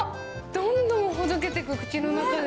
どんどんほどけてく、口の中で。